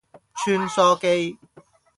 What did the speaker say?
穿梭機